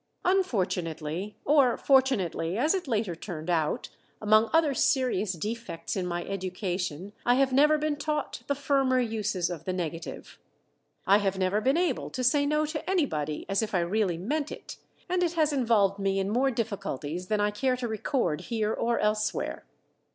Unfortunately or fortunately, as it later turned out among other serious defects in my education I have never been taught the firmer uses of the negative. I have never been able to say no to anybody as if I really meant it, and it has involved me in more difficulties than I care to record here or elsewhere.